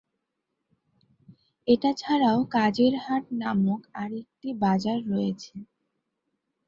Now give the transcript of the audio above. এটা ছাড়াও কাজীর হাট নামক আরেকটি বাজার রয়েছে।